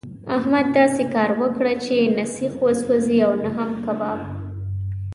احمده! داسې کار وکړه چې نه سيخ وسوځي او نه هم کباب.